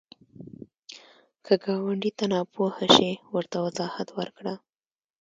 که ګاونډي ته ناپوهه شي، ورته وضاحت ورکړه